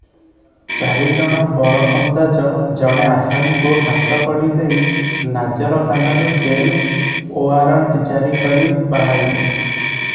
ଚାରି ଜଣ ବରକନ୍ଦାଜ ଜଣେ ଆସାମୀକୁ ହାତକଡ଼ି ଦେଇ ନାଜରଖାନାରୁ ଜେଲ ଓଆରଣ୍ଟ ଜାରି କରି ବାହାରିଲେ ।